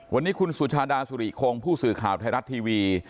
วันนี้คุณสุชาดาสุริคงผู้สื่อข่าวไทยรัฐทีวี